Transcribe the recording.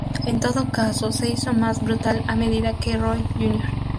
En todo caso, se hizo más brutal a medida que Roy Jr.